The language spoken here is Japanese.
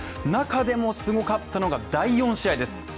中でもすごかったのは第４試合です。